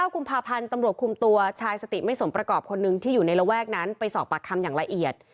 กุมภาพันธ์ตำรวจคุมตัวชายสติไม่สมประกอบคนหนึ่งที่อยู่ในระแวกนั้นไปสอบปากคำอย่างละเอียด